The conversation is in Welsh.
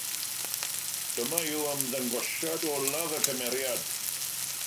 Dyma yw ymddangosiad olaf y cymeriad.